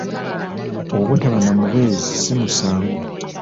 Obutaba na mubeezi si musango.